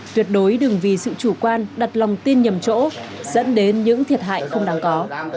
tuyệt đối đừng vì sự chủ quan đặt lòng tin nhầm chỗ dẫn đến những thiệt hại không đáng có